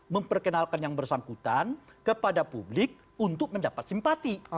memperkenalkan yang bersangkutan kepada publik untuk mendapat simpati